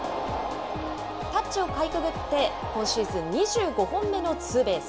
タッチをかいくぐって今シーズン２５本目のツーベース。